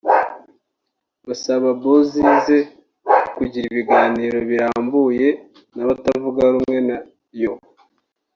basaba Bozizé kugira ibiganiro birambuye n’abatavuga rumwe na yo